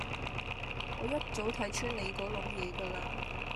我一早睇穿你嗰籠嘢架喇